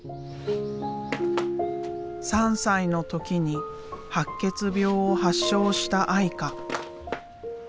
３歳の時に白血病を発症したあいか。